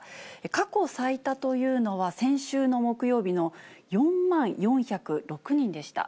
過去最多というのは先週の木曜日の４万４０６人でした。